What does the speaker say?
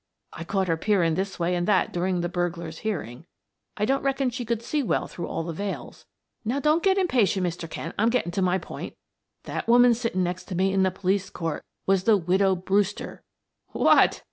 "I caught her peering this way and that during the burglar's hearing; I don't reckon she could see well through all the veils. Now, don't get impatient, Mr. Kent; I'm getting to my point that woman sitting next to me in the police court was the widow Brewster." "What!"